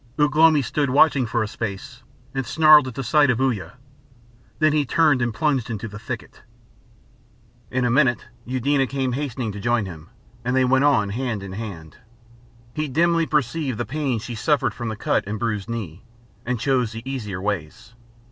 Ugh lomi stood watching for a space, and snarled at the sight of Uya. Then he turned and plunged into the thicket. In a minute, Eudena came hastening to join him, and they went on hand in hand. He dimly perceived the pain she suffered from the cut and bruised knee, and chose the easier ways.